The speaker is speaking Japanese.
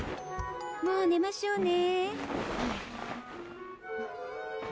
もう寝ましょうね。